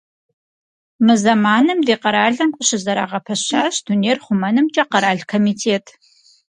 Мы зэманым ди къэралым къыщызэрагъэпэщащ Дунейр хъумэнымкӀэ къэрал комитет.